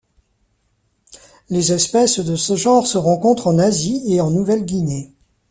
Les espèces de ce genre se rencontrent en Asie et en Nouvelle-Guinée.